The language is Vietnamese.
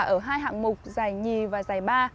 của hai hạng mục giải hai và giải ba